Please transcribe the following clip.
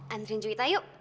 antriin juwita yuk